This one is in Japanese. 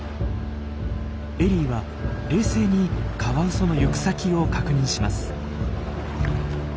エリーは冷静にカワウソの行く先を確認します。